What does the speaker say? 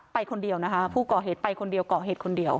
ไปคนเดียวนะคะผู้ก่อเหตุไปคนเดียวก่อเหตุคนเดียว